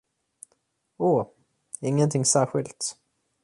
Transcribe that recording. Åh, ingenting särskilt.